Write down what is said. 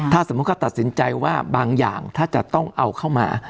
ถ้าสมมุติเขาตัดสินใจว่าบางอย่างถ้าจะต้องเอาเข้ามา